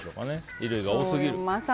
衣類が多すぎる。